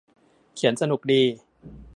เขียนสนุกดี